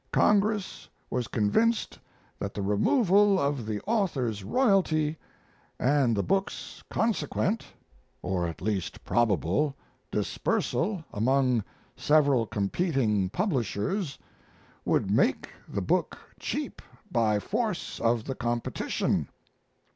Congress was convinced that the removal of the author's royalty and the book's consequent (or at least probable) dispersal among several competing publishers would make the book cheap by force of the competition.